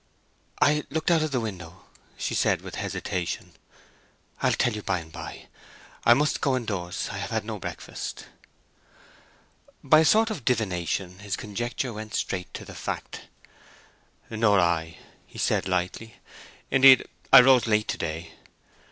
"I looked out of the window," she said, with hesitation. "I'll tell you by and by. I must go in doors. I have had no breakfast." By a sort of divination his conjecture went straight to the fact. "Nor I," said he, lightly. "Indeed, I rose late to day.